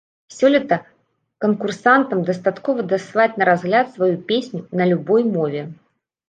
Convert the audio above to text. Сёлета канкурсантам дастаткова даслаць на разгляд сваю песню на любой мове.